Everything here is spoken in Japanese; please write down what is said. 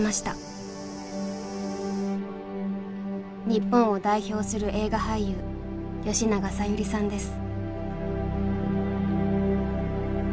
日本を代表する映画俳優吉永小百合さんです。